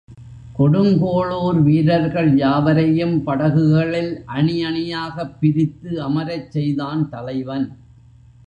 கொடுங்கோளூர் வீரர்கள் யாவரையும் படகுகளில் அணியணியாகப் பிரித்து அமரச்செய்தான் தலைவன்.